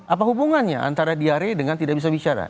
apa hubungannya antara diare dengan tidak bisa bicara